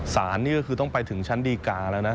สารนี่ก็คือต้องไปถึงชั้นดีการแล้วนะ